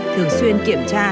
thường xuyên kiểm tra